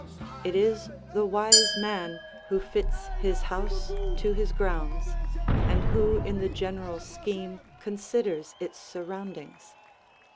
It is the wise man who fits his house to his grounds and who in the general scheme considers its surroundings.